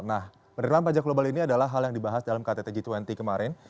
nah penerimaan pajak global ini adalah hal yang dibahas dalam kttg dua puluh kemarin